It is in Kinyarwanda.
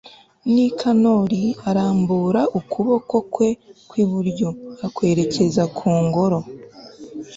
nikanori arambura ukuboko kwe kw'iburyo akwerekeje ku ngoro